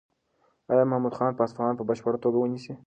ایا محمود خان به اصفهان په بشپړه توګه ونیسي؟